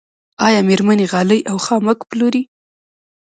آیا میرمنې غالۍ او خامک پلوري؟